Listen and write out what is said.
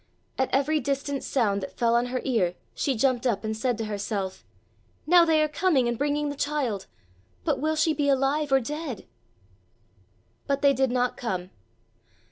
At every distant sound that fell on her ear she jumped up and said to herself: "Now they are coming and bringing the child! But will she be alive or dead?" But they did not come.